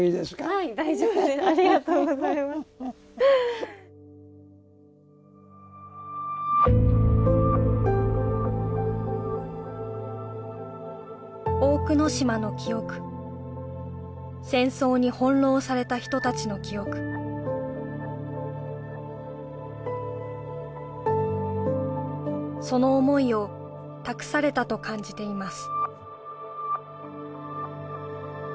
はい大丈夫ですありがとうございました大久野島の記憶戦争に翻弄された人たちの記憶その思いを託されたと感じています